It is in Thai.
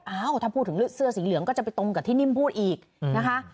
อ้าวถ้าพูดถึงเสื้อสีเหลืองก็จะไปตรงกับที่นิ่มพูดอีกนะคะ